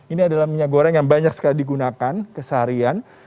ini adalah minyak goreng yang banyak sekali digunakan keseharian